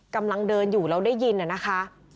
กำลังเดินอยู่แล้วได้ยินนะคะ